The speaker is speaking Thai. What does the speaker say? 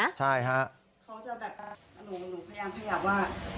ก็มันจะแบบจำหนูพยายามพยากว่า